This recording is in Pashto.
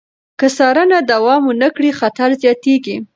که څارنه دوام ونه کړي، خطر زیاتېږي.